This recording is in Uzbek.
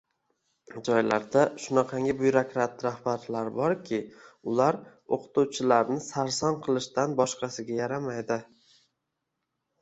Joylarda shunaqangi byurokrat rahbarlar borki, ular o‘qituvchilarni sarson qilishdan boshqasiga yaramaydi.